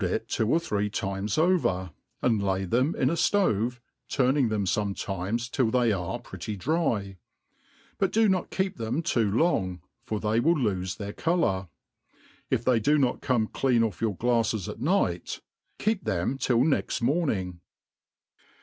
it two or three times over, and lay them in a ftove, turning them fometimes till they are pretty dry ; but do not keep tbeoi too long, for they will lofe their colour. . If they do not come clean ott your glafles at night, keep them till next morning.